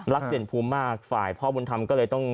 เด่นภูมิมากฝ่ายพ่อบุญธรรมก็เลยต้อง